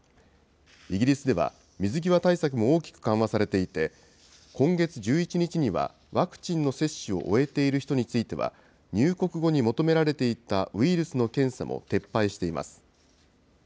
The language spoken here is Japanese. イギリスでは、水際対策も大きく緩和されていて、今月１１日には、ワクチンの接種を終えている人については、入国後に求められていたウイルスの検査も撤廃しています。